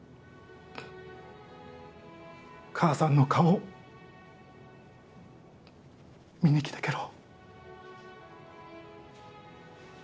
母さんの顔見に来てけろ。